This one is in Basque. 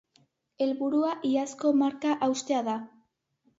Helburua iazko marka haustea da.